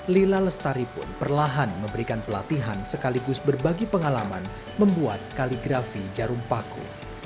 lila lestari pun perlahan memberikan pelatihan sekaligus berbagi pengalaman membuat kaligrafi jarum paku